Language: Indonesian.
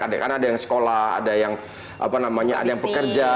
ada yang sekolah ada yang pekerja